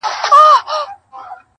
په دې منځ کي شېردل نومي داړه مار وو!!